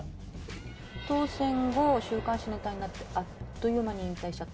当選後週刊誌ネタになってあっという間に引退しちゃったんだよね。